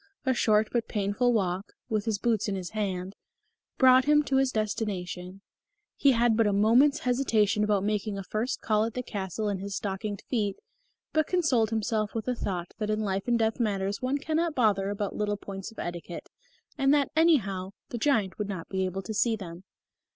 A short but painful walk, with his boots in his hand, brought him to his destination. He had a moment's hesitation about making a first call at the castle in his stockinged feet, but consoled himself with the thought that in life and death matters one cannot bother about little points of etiquette, and that, anyhow, the giant would not be able to see them.